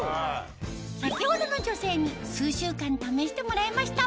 先ほどの女性に数週間試してもらいました